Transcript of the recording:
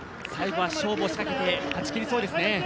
最後は勝負を仕掛けて勝ち切りそうですね。